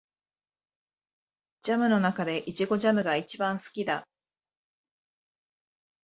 ジャムの中でイチゴジャムが一番好きだ